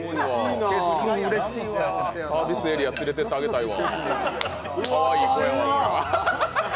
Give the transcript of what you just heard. サービスエリア、連れてってあげたいわ。